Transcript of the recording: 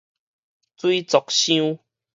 水族箱